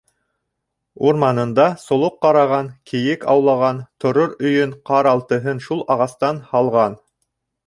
Урманында солоҡ ҡараған, кейек аулаған, торор өйөн, ҡаралтыһын шул ағастан һалған.